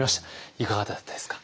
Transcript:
いかがだったですか？